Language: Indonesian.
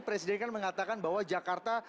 presiden kan mengatakan bahwa jakarta